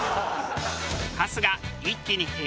春日一気に「へぇ」